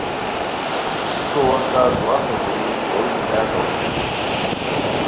گیکو وختہ دواہتو ہوری ہو یی لاکاؤ اوشوئے